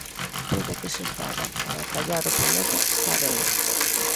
Todo o que se faga para atallar o problema está ben.